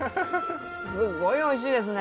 すごいおいしいですね。